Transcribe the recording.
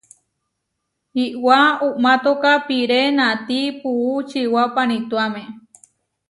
Iʼwá uʼmátoka piré natí puú čiwá panituáme.